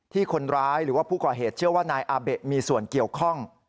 ที่คนร้ายหรือว่าผู้ก่อเหตุเชื่อว่านายอาเบะมีส่วนเกี่ยวข้อง